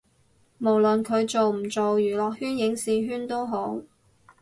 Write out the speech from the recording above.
無論佢做唔做娛樂圈影視圈都好